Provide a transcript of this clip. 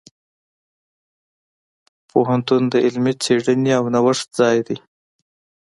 پوهنتون د علمي څیړنې او نوښت ځای دی.